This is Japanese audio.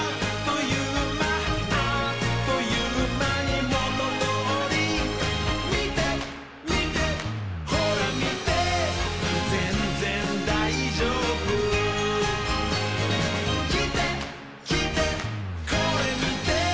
「あっというまにもとどおり」「みてみてほらみて」「ぜんぜんだいじょうぶ」「きてきてこれみて」